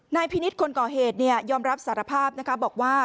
นายพินิศคนก่อเหตุย่อมรับสารภาพบอกว่า